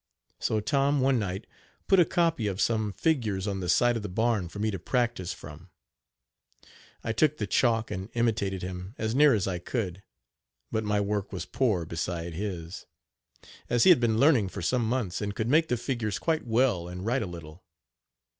So Tom one night put a copy of some figures on the side of the barn for me to practice from. I took the chalk and imitated him as near as I could, but my work was poor beside his, as he had been learning for some months, and could make the figures quite well and write a little.